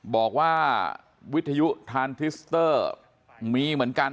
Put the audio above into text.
บอกว่าวิทยุทานทริสเตอร์มีเหมือนกัน